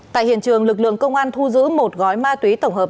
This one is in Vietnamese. tại hiện trường lực lượng công an thu giữ một gói ma túy tổng hợp